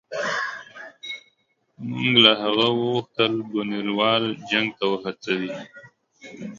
موږ له هغه وغوښتل بونیروال جنګ ته وهڅوي.